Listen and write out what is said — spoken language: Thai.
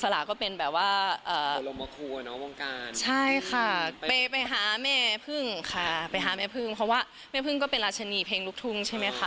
แล้วไม่รีค่ะ